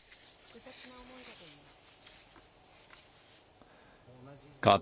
複雑な思いだといいます。